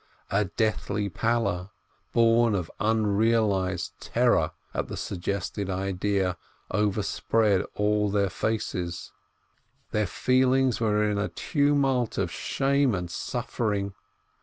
A deathly pallor, born of unrealized terror at the suggested idea, overspread all their faces, their feelings were in a tumult of shame and suffering.